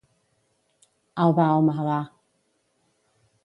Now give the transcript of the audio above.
Au, va, home, va